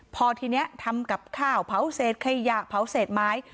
พอทีนี้ทำกับข้าวเผาเศษขยะเผาเศษไม้